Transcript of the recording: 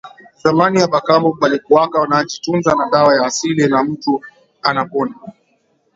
Zamani ba kambo balikuwaka naji tunza na dawa ya asili na mutu anapona